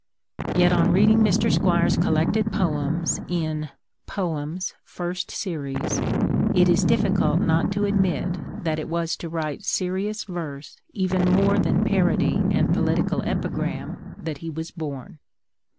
Yet, on reading Mr. Squire's collected poems in Poems: First Series, it is difficult not to admit that it was to write serious verse even more than parody and political epigram that he was born.